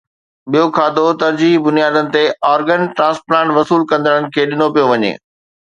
ٻيو کاڌو ترجيحي بنيادن تي آرگن ٽرانسپلانٽ وصول ڪندڙن کي ڏنو پيو وڃي